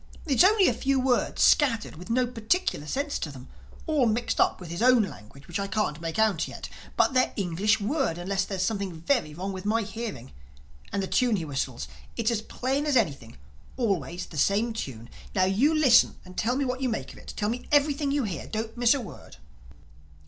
"It's only a few words, scattered, with no particular sense to them—all mixed up with his own language which I can't make out yet. But they're English words, unless there's something very wrong with my hearing—And the tune he whistles, it's as plain as anything—always the same tune. Now you listen and tell me what you make of it. Tell me everything you hear. Don't miss a word."